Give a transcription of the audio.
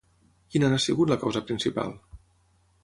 Quina n'ha sigut la causa principal?